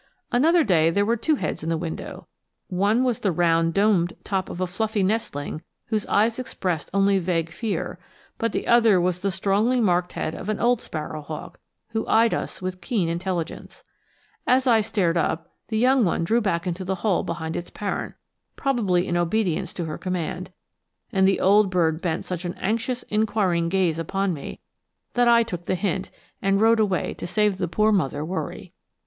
Another day there were two heads in the window; one was the round domed, top of a fluffy nestling whose eyes expressed only vague fear; but the other was the strongly marked head of an old sparrow hawk, who eyed us with keen intelligence. As I stared up, the young one drew back into the hole behind its parent, probably in obedience to her command; and the old bird bent such an anxious inquiring gaze upon me that I took the hint and rode away to save the poor mother worry.